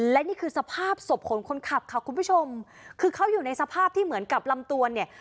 และนี่คือสภาพศพของคนขับค่ะคุณผู้ชมคือเขาอยู่ในสภาพที่เหมือนกับลำตัวเนี่ย